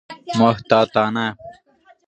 محتاطانه